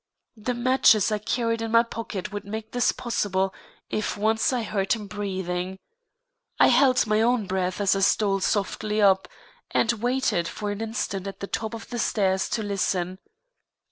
The matches I carried in my pocket would make this possible if once I heard him breathing. I held my own breath as I stole softly up, and waited for an instant at the top of the stairs to listen.